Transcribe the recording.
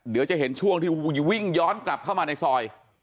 เดี๋ยวจะเห็นช่วงที่วิ่งย้อนกลับเข้ามาในซอย